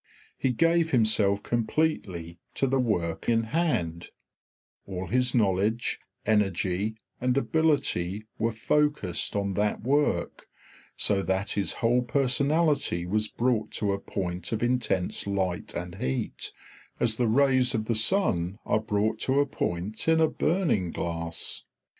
He gave himself completely to the work in hand; all his knowledge, energy, and ability were focussed on that work, so that his whole personality was brought to a point of intense light and heat, as the rays of the sun are brought to a point in a burning glass.